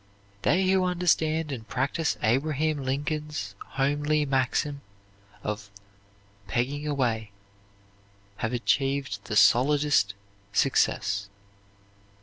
They who understand and practise Abraham Lincoln's homely maxim of 'pegging away' have achieved the solidest success."